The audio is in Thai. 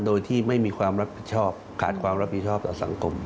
โดยที่ไม่มีความรับผิดชอบขาดความรับผิดชอบต่อสังคม